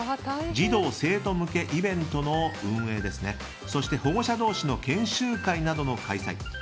児童・生徒向けイベントの運営そして保護者同士の研修会などの開催。